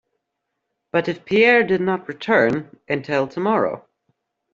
But if Pierre did not return, until tomorrow.